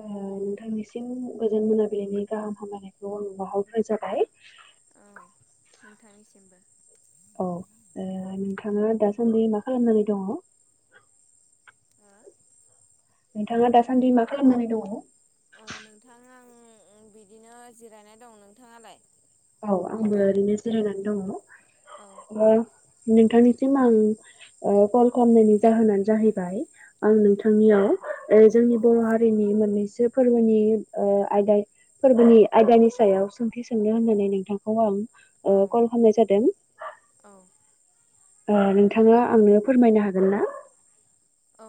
ओ नोंथांनिसिम गोजोन मोनाबिलिनि गाहाम हामलायनायखौ आं बाउहरग्रोनाय जाबाय। औ नोंथां। औ ओ नोंथाङा दासान्दि मा खालामनानै दङ? अ नोंथाङा दासान्दि मा खालामनानै दङ? अ नोंथां आं बिदिनो जिरायनानै दं। नोंथाङालाय? औ आंबो ओरैनो जिरायनानै दङ, औ ओ नोंथांनिसिम आं ओ कल खालामनायनि जाहोनानो जाहैबाय आं नोंथांनियाव ओ जोंनि औ बर' हारिनि मोननैसो फोरबोनि ओ आयदा फोरबोनि आयदानि सायाव सोंथि सोंनो होननानै नोंथांखौ आं ओ कल खालामनाय जादों। औ ओ नोंथाङा आंनो फोरमायनो हागोन ना?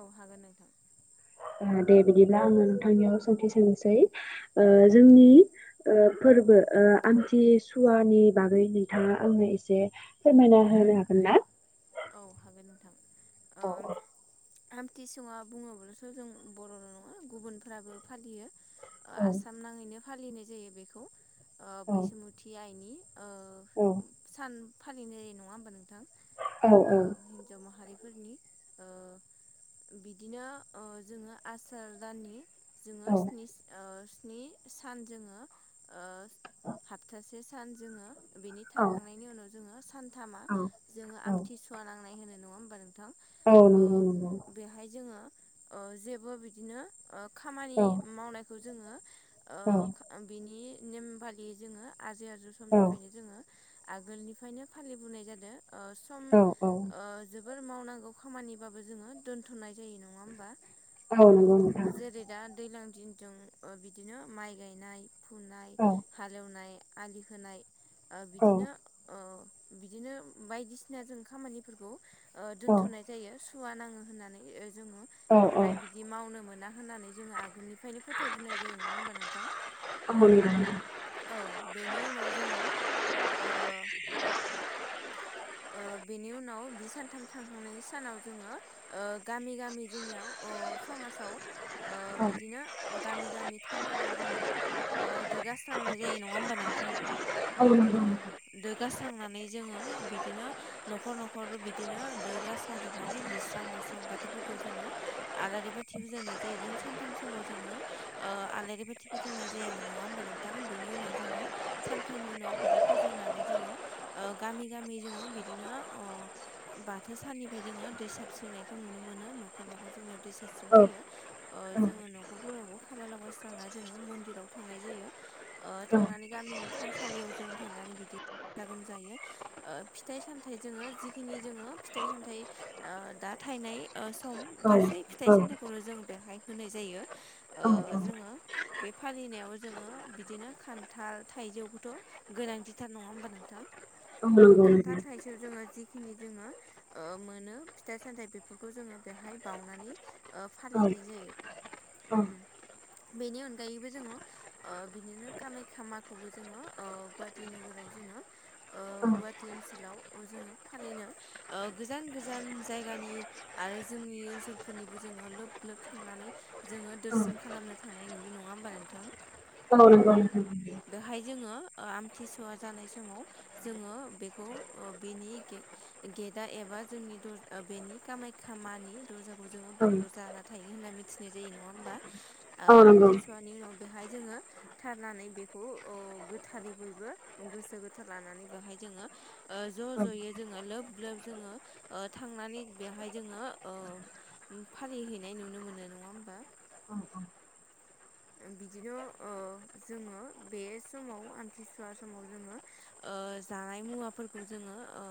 औ हागोन नोंथां। दे बिदिब्ला आङो नोंथांनियाव सोंथि सोंनोसै ओ जोंनि फोर्बो ओ आमथि सुवानि बागै नोंथाङा आंनो एसे फोरमायना होनो हागोन ना? औ हागोन नोंथां। ओ औ आमथिसुवा बुङोब्लाथ' जों बर'ल' नङा गुबुनफ्राबो फालियो, ओ औ आसाम नाङैनो फालिनाय जायो बेखौ ओ औ बैसुमुथि आइनि ओ औ सान फालिनाय नङा होमबा नोंथां? औ औ। फोरनि ओ बिदिनो ओ जोङो आसार दाननि औ जोङो स्निस ओ स्नि सान जोङो ओ हाप्थासे सान जोङो बिनि औ थांखांनायनि उनाव जोङो सानथामा जोङो आमथिसुवा नांनाय होनो नङा होमबा नोंथां? औ ओ नंगौ नंगौ बेहाय जोङो ओ जेबो बिदिनो ओ खामानि औ मावनायखौ जोङो औ ओ बिनि नेम बादियै जोङो आजै आजौ समनिफ्रायनो औ जोङो आगोलनिफ्रायनो फालिबोनाय जादों। ओ सम औ ओ जोबोर मावनांगौ खामानिबाबो जोङो दोनथ'नाय जायो नङा होमबा? औ अ नंगौ नोंथां जेरै दा दैलां दिनजों बिदिनो माइ गायनाय फुनाय औ हालेवनाय आलि होनाय ओ औ बिदिनो ओ बिदिनो बायदिसिना जों खामानिफोरखौ ओ औ दोनथ'नाय जायो। सुवा नाङो होननानै जोङो औ बेखाय बिदि मावनो मोना होननानै जोङो आगोलनि फ्रायनो फोथायबोनाय जायो नङा होमबा नोंथां। नंगौ नोंथां औ नंगौ औ औ बेनि उनाव जोङो ओ [inaudible] ओ बेनि उनाव बि सानथाम थांखांनायनि सानाव जोङो ओ गामि गामि जोंनियाव ओ समाजाव ओ बिदिनो गामि गामि थान फोराव जोङो ओ दोगास्रांनाय जायो नङा होमबा नोंथां। अ दोगास्रांनानै जोङो बि दिनो न'खर न'खर बिदिनो दोगास्रांजोबनानै लिस्रां मास्रां बाथौफोरखौ जोङो आलारि बाथि फोजोंनाय जायो जों सानथाम समाव जोङो ओ आलारि बाथि फोजोंनाय जायामोन नङा होमबा। नोंथां बिनि उनाव जोङो सानथामनि उनाव बिदि फोजोंनानै जो ओ गामि गामि जोंङो ओ बिदिनो ओ बाथौ साननिफ्राय जोङो दै साबस्रिनायखौ नुनो मोनो न'खर न'खर जोंनियाव दै सारस्रिं फैयो ओ जोङो न'खरफोरावबो खाला लगायस्रांना जोङो मन्दिराव थांनाय जायो। ओ थांनानै गामिनि थानसालियाव जों थांनानै बिदि गाजा गोमजायै ओ फिथाइ सामथाइ जोङो जिखिनि जोङो फिथाइ सामथाइ ओ दा थाइनाय ओ सम गासै फिथाइ सामथाइखौनो जों बेहाय होनाय जायो ओ जोङो बे फालिनायाव जोङो बिदिनो खान्थाल था इजौखौथ' गोनांथिथार नङा होमबा नोंथां। ओ [unintelligible] खान्थाल थाइजौ जोङो जिखिनि जोङो ओ मोनो फिथाइ सामथाय बेफोरखौ जोङो बेहाय बाउनानै ओ फालिनाय जायो। [unintelligible] अ। उम बेनि अनगायैबो जोङो ओ बिदिनो खामायखा माखौबो जोङो ओ गुवाहाटि नोगोराव जोङो ओ औ गुवाहा ति ओनसोलाव जोङो फालिनो ओ गोजान गोजान जायगानि आरो जोंनि ओनसोलफोरनिबो जोङो लोब लोब थांनानै जोङो दोरसोन खालामनो थांनाय नुयो नङा होमबा नोंथां। ओ बेहाय [unintelligible] जोङो आमथिसुवा जानाय समाव जोङो बे खौ ओ बेनि गेट गेटआ एबा जोंनि दर बेनि खामाख्या मानि दर्जाखौ खौ जोङो बन्द जाना थायो होनना मिथिनाय जायो नङा होमबा औ ओ नंगौ आमथिसुवानि उनाव बेहाय जोङो थारनानै बेखौ ओ गोथारै बयबो गोसो गोथार लानानै बेहाय जोङो ओ ज' ज'यै जोङो लोब लोब जोङो ओ थांनानै बेवहाय जोङो ओ फालिहैनाय नुनो मोनो नङा होमबा। औ औ। बिदिनो ओ जोङो बे समाव आमथिसुवा समाव जोङो ओ जानाय मुवाफोरखौ जोङो ओ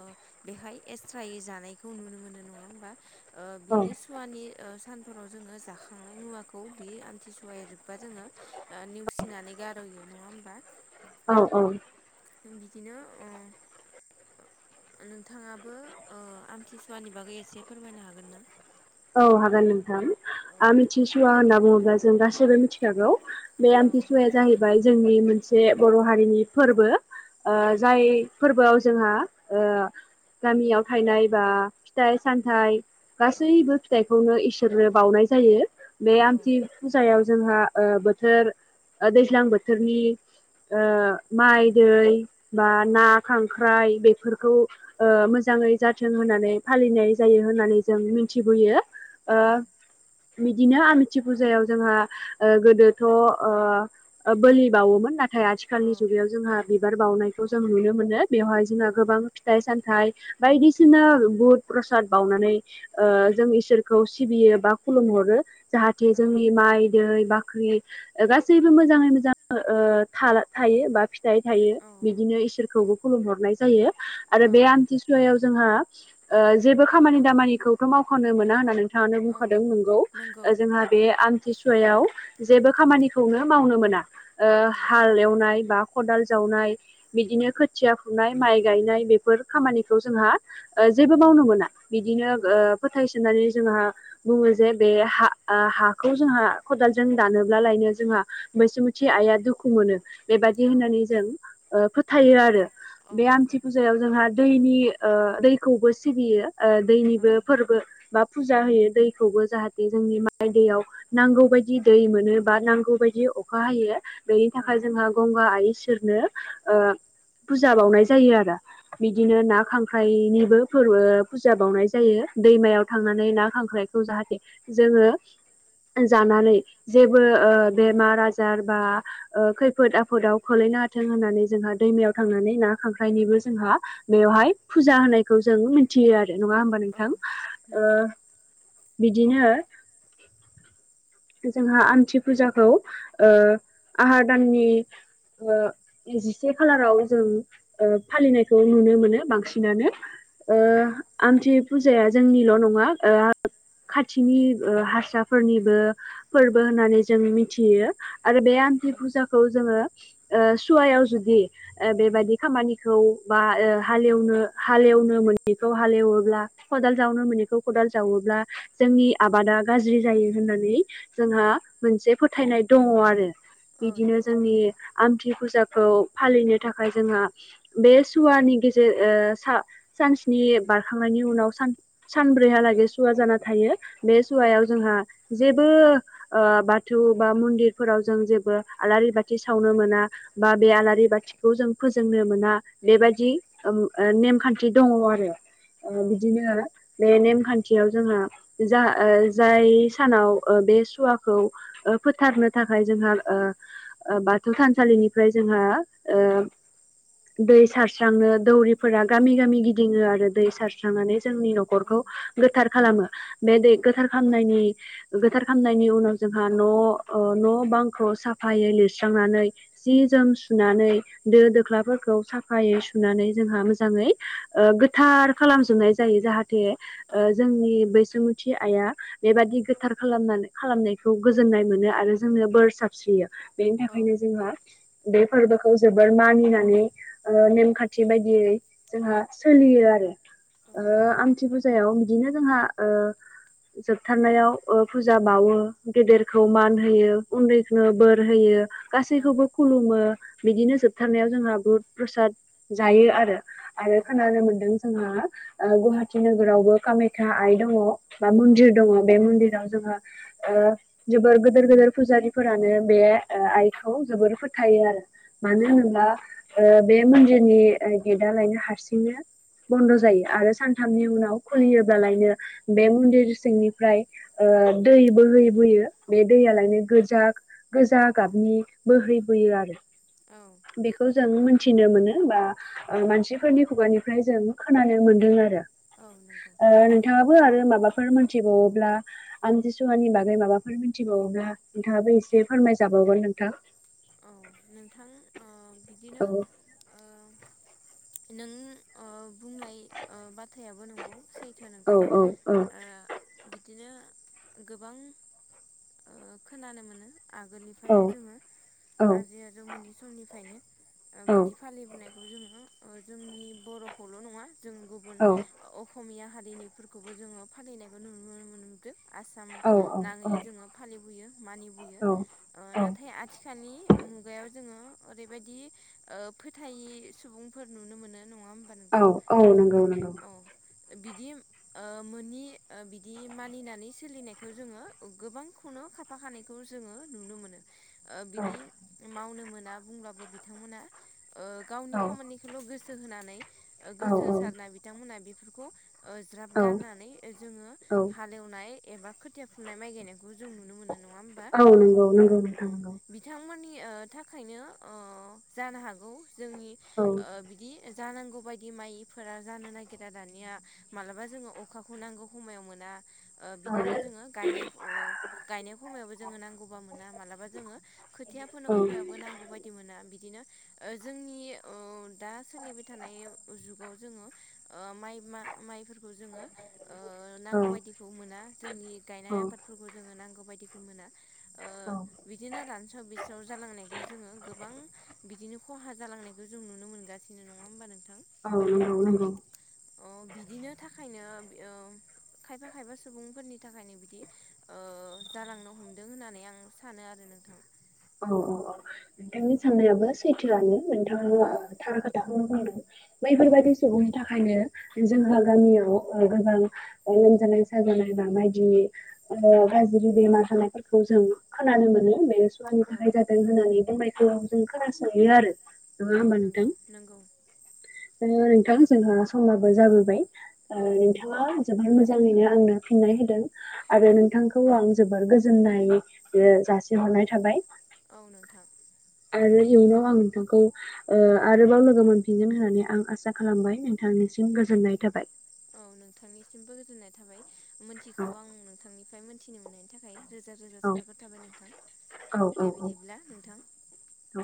बेहाय एक्सट्रायै जानायखौ नुनो मोनो नङा होमबा। ओ औ बिनि सुवानि ओ सानफोराव जोङो जाखांनाय मुवाखौ बे आमथिसुवाया जोब बा जोङो ओ नेवसिनानै गार'यो नङा होमबा। औ औ। बिदिनो अ नोंथाङाबो ओ आमथिसुवानि बागै एसे फोरमायनो हागोन ना। औ हागोन नोंथां औ आमथिसुवा होनना बुङोब्ला जों गासैबो मिथिखागौ। बे औ आमथिसुवाया जाहैबाय जोंनि मोनसे बर' हारिनि फोरबो। ओ औ जाय फोरबोआव जोंहा ओ गामियाव थाइनाय बा फिथाइ सामथाइ औ गासैबो बिखौनो इसोरनो बावनाय जायो बे औ आमथि फुजायाव जोंहा ओ बोथोर दैज्लां बोथोरनि माइ दै बा ना खांख्राइ बे फोरखौ मोजाङै जाथों होननानै फालिनाय जायो होननानै जों मिथिबोयो ओ औ बिदिनो आमथि फुजायाव जोंहा गोदोथ' बोलि बावोमोन नाथाय नाथाय आथिखालनि जुगायाव जोंहा बिबार बावनायखौ जों नुनो मोनो बेवहाय जोंहा गोबां फिथाइ सानथ बायदिसिना बुद प्रसाद बवनानै जों इसोरनो इसोरखौ सिबियो बा खुलुमहरो जाहाथे औ जोंनि माइ दै बा गासैबो मोजाङै मोजां ओ जायो बा फिथाइ थायो औ औ बिदिनो इसोरखौबो खुलुमहरनाय जायो औ आरो बे आमथिसुवायाव जोंहा जेबो खामानि दामानिखौथ' मावखनो मोना होनना नोंथाङानो औ बुंखादों नोंगौ नंगौ जोंहा बे जेबो खामानिखौनो मावनो मोना औ हाल एवनाय बा खदाल जावनाय बिदिनो खोथिया फुनाय माइ गायनाय बेफोर खामानिखौ जोंहा जेबो मावनो मोना बिदिनो औ फोथायसोनानै जोंहा बुङो जे बे हा हाखौ जोंहा खदालजों दानोब्ला लायनो जोंहा बैसुमथि आइआ दुखु मोनो बेबायदि औ होननानै जों फोथायो आरो औ बे आमथि फुजायाव जोंहा दैनि दैखौबो सिबियो नंगौ दैनिबो औ फोरबो बा फुजा होयो दैखौबो जाहाथे जोंनि माइ दैयाव नांगौ बायदि दै मोनो बा नांगौ बायदि अखा हायो बेनि थाखाय जोंहा गंगा आ इसोरनो फुजा बावनाय जायो आरो बिदिनो ना खांख्राइनिबो फोरबो फुजा बावनाय जायो दैमायाव थांनानै ना खांख्रायखौ जाहाथे जोङो जानानै जेबो बेमार आजार बा खैफोद आफोदाव खोलै जखयाथों होननानै जोंहा दैमायाव थांनानै ना खांख्रायनिबो जोंहा बेवहाय फुजा होनायखौ जों मिथियो आरो नङा होमबा नोंथां ओ नोंगौ बिदिनो आरो जोंहा आमथि फुजाखौ आहार दाननि जिसे खालाराव जों फालिनायखौ नुनो मोनो बांसिनानो औ आमथि फुजाया जोंनि ल' नङा खाथिनि हारसाफोरनिबो फोरबो औ होननानै जों मि आरो बे आमथि औ फुजाखौ जोङो सुवायाव जुदि बेबायदि खालाम हालोब ज खदाल जावोबा आबादा गाज्रि जायो होनना जोंहा मोनसे फोथायनाय दङ आरो औ बिदिनो नंगौ जोंनि आमथि फुजाखौ फालिनो थाखाय जोंहा बे सुवानि गेजेर सा सानस्नि बारखांनायनि उनाव सान सानब्रैहालागै सुवा जाना थायो बे ओं सुवायाव जोंहा जेबो ओ बा थौ बा मन्दिरफोराव जों जेबो आलारि बाथि सावनो मोना बा बे ओं आलारि बाथिखौ जों फोजोंनो मोना बेबायादि ओम ओ नेमखान्थि दङ आरो औ ओ बिदिनो बे नेमखान्थियाव जोंहा जा ओ जाय सानाव ओ बे सुवाखौ फोथारनो थाखाय जोंहा ओ ओ बाथौ थानसालिनिफ्राय जोंहा औ ओ दै सारस्रांनो दौरिफोरा गामि गामि गिदिङो आरो दै सारस्रांनानै जोंनि न'खर खौ औ गोथार खालामो बे दै गोथार खामनायनि गोथार खामनायनि उनाव जोंहा न' ओ न' बांखौ साफायै लिरस्रांनानै जि जोम सुनानै दो दोख्लाफोरखौ साफायै सुनानै जोंहा मोजाङै ओ गोथार खालामजोबनाय जायो जाहाथे ओ जोंनि बैसोमु थि आइआ बेबादि गोथार खालामनानै खालामनायखौ गोजोननाय मोनो आरो जोंनो बोर साबस्रियो बेनि थाखायनो जोंहा बे फोरबोखौ जोबोर मानिनानै ओ नेमखान्थि बायदियै जोंहा सोलियो आ रो ओ आम थि फुजायाव बिदिनो जोंहा ओ जोबथारनायाव ओ फुजा बावो गेदेरखौ मान होयो उन्दैखोनो बोर होयो गासैखौबो खुलुमो बिदिनो जोबथारनायाव जोंहा बुद प्रसाद जायो आरो औ आरो खोनानो मोन्दों जोंहा ओ गुवाहाटि नोगोरावबो कामाख्या आइ दङ बा औ मन्दिर दङ बे मन्दि राव जोंहा ओ जोबोर गोदोर गोदोर फुजारिफोरानो बे ओ आइखौ जोबोर फो थायो आरो मानो औ होनोब्ला नंगौ ओ बे मन्दिरनि ओ गेदा लायनो हारसिंनो बन्द जायो आरो सान थामनि उनाव औ खुलियोबालायनो बे मन्दिर सिंनिफ्राय ओ दै बोहै बोयो बे औ दैयालायनो गोजा गोजा गाबनि बोहैबोयो आरो बेखौ जों मोन्थिनो मोनो बा ओ मानसिफोरनि खुगानिफ्राय जों खोनानो मोनदों आरो औ नंगौ ओ नोंथाङाबो आरो मा बाफोर मोनथिबावोब्ला आमथिसुवानि बागै माबाफोर मिन्थिबावोब्ला नोंथाङाबो एसे फोरमाय जाबावगोन नोंथां औ नोंथां ओ बिदिनो औ ओ नों ओ बुंनाय ओ बाथ्रायाबो नोंगौ सैथो औ नोंथां औ औ ओ बि दिनो गोबां ओ खोनानो मोनो औ आगोलनिफ्रायनो जोङो औ आजै आजौ मोननै समनिफ्रायनो ओ औ बिदि फालिबोनायखौ जोङो ओ जोंनि बर'खौल' नङा जों गुबुन अखमिया हारिनिफोरखौबो जोङो फालिनायखौ [unintelligible] आसाम औ नाङै जोङो फालिबोयो मानिबोयो ओ औ नाथाय आथिखालनि मुगायाव जोङो ओरैबाददि ओ फोथायि सुबुंफोर नुनो मोनो नङा होमबा औ नोंथां औ नोंगौ नोंगौ औ बिदि ओ मोनि ओ बिदि मानिनानै सोलिनायखौ जोङो गोबांखौनो खाफा खानैखौ जोङो नुनो मोनो ओ औ बिदि मावनो मोना बुंब्लाबो बिथांमोना ओ गावनि औ खामानिखोल' गोसो होनानै ओ गोसो औ होसारना औ बिथांमोना बिफोरखौ ओ ज्राब औ गारनानै जोङो औ हालेवनाय एबा खोथिया फुननाय माइ गायनाय खोबो जों नुनो मोनो नङा होमबा नंगौ नंगौ ओ नोंथां नंगौ बिथां मोननि थाखायनो ओ जानो हागौ जोंनि औ ओ बिदि जानांगौ बायदि माइफोरा जानो नागिरा दानिया मालाबा जोङो अखाखौ नांगौ खमायाव मोना ओ औ बिदिनो जोङो गायनाय ओ गायनाय खमावबो जोङो नांगौबा मोना मालाबा जोङो खोथिया फोनो खमायावबो नांगौ बायदि मोना बिदिनो ओ जोंनि ओ दा सोलिबाय थानाय जुगाव जोङो माइ माइफोरखौ जोङो ओ औ नांगौबादि मोना जोंनि गायनाय औ आबाद खौबो नांगौ ओ औ बिदिनो बेसाव जालांनायखौ जोङो गोबां बिदिनो खहा जालांनायखौ जों नुनो मोनगासिनो नङा होमबा नोंथां औ नंगौ नंगौ बिदिनो थाखायनो ओ [unintelligible] खायफा खायफा सुबुंफोरनि थाखायनो बिदि जालांनो हमदों होननानै आं सानो आरो नोंथां औ औ औ नोंथांनि साननायाबो सैथोआनो नोंथाङा औ थारा खोथाखौनो बुंदों औ बैफोरबायाददि सुबुंनि थाखायनो जोंहा गामियाव गोबां लोमजानाय साजानाय बााबायदि गाज्रि बेमार जानायफोरखौ जों खोनानो मोनो बे जनि औ गाहाय जादों होननानै दों माइगआव जों खोनासंयो आरो नङा औ होमबा नंगौ नोंथां नंगौ ओ नोंथां जोंहा समाबो जाबोबाय औ नोंथाङा जोबोर मोजाङैनो आंनो फिननाय होदों आरो नोंथांखौ आं जोबोर गोजोननाय जासिहरनाय थाबाय औ नोंथां आरो इयुनाव आं नोंथांखौ आरोबाव लोगो मोनफिनगोन होननानै आं आसा खालामबाय नोंथांनि गोजोननाय थाबाय औ नोंथांनिसिमबो गोजोननाय थाबाय मोनथिखौ औ आं नोंथांनिफ्राय मोनथिनो मोननायनि थाखाय रोजा रोजा औ साबगायखर थाबाय नोंथां औ औ दे बिदिब्ला नोंथां औ